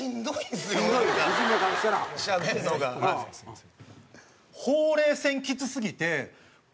すいません。